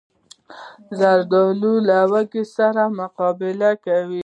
زردالو له لوږې سره مقابله کوي.